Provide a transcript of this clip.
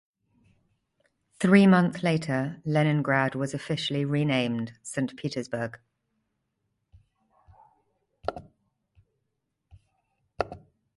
Three month later Leningrad was officially renamed Saint Petersburg.